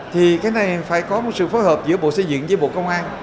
thì cái này phải có một sự phối hợp giữa bộ xây dựng với bộ công an